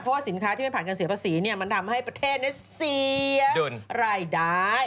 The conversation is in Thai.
เพราะว่าสินค้าที่ไม่ผ่านการเสียภาษีมันทำให้ประเทศเสียรายได้